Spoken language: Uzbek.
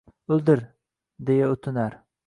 O’ldir, — deya o’tinar.